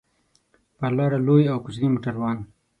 پر لاره لوی او کوچني موټران.